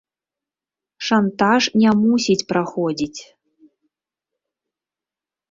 Шантаж не мусіць праходзіць.